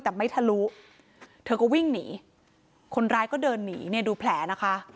แต่ไม่ทะลุเธอก็วิ่งหนีคนร้ายก็เดินหนีเนี่ยดูแผลนะคะ